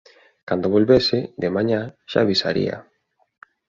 Cando volvese, de mañá, xa avisaría.